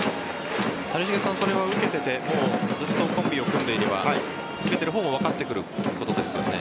谷繁さん、それは受けていてずっとコンビを組んでいれば受けている方も分かってくることですよね？